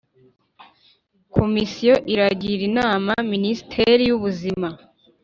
Komisiyo iragira inama minisiteri y ubuzima